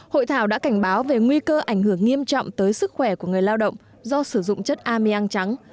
hội thảo đã cảnh báo về nguy cơ ảnh hưởng nghiêm trọng tới sức khỏe của người lao động do sử dụng chất ameang trắng